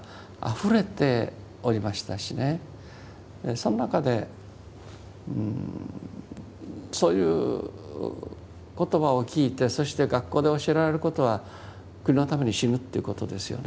その中でうんそういう言葉を聞いてそして学校で教えられることは国のために死ぬっていうことですよね。